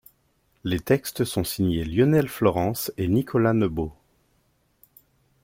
Les textes sont signés Lionel Florence et Nicolas Nebot.